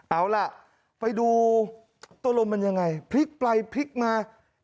เอาล่ะไปดูตัวลมมันยังไงพลิกไปพลิกมา